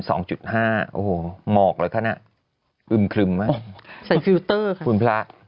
โอ้โหหมอกเลยค่ะน่ะอึมครึมมากใส่ฟิลเตอร์ค่ะคุณพระ